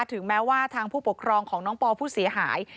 ถึงแม้ว่าทางผู้ปกครองของน้องปอผู้เสียหาย